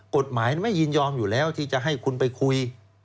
กฎหมายไม่ยินยอมอยู่แล้วที่จะให้คุณไปคุย